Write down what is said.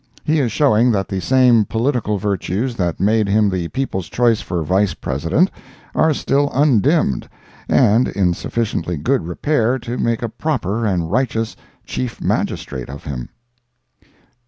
He is showing that the same political virtues that made him the people's choice for Vice President are still undimmed, and in sufficiently good repair to make a proper and righteous Chief Magistrate of him.